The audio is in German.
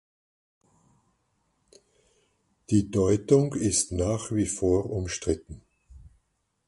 Die Deutung ist nach wie vor umstritten.